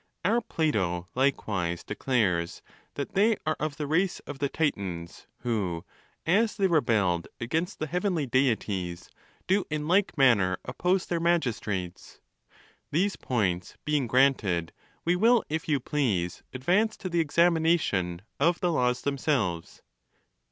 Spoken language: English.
Our Plato likewise declares that they are of the race of the Titans, who, as they rebelled against the heavenly deities, do in like manner oppose their magistrates. These points being granted, we will, if you please, advance to the examination of the laws themselves.